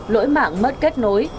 lỗi mạng mất kết nối